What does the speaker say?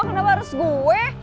kenapa harus gue